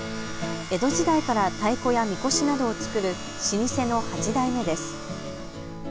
江戸時代から太鼓やみこしなどを作る老舗の８代目です。